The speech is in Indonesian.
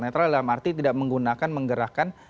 netral dalam arti tidak menggunakan menggerakkan